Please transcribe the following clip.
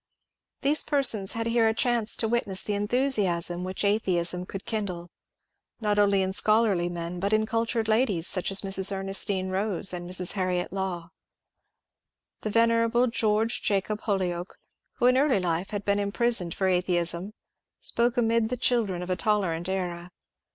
These persons had here a chance to witness the enthusiasm which atheism could kindle, not only in scholarly men but in cultured ladies, such as Mrs. Ernestine Rose and Mrs. Harriet Law. The venerable George Jacob Holyoake, who in early life had been imprisoned for atheism, spoke amid the children of a tolerant era.